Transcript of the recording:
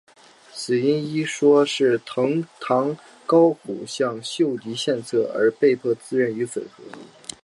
死因一说是藤堂高虎向秀吉献策而被迫自刃于粉河。